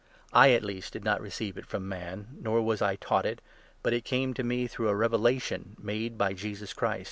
I, at least, did not receive it from man, nor was I taught it, but 12 it came to me through a revelation made by Jesus Christ.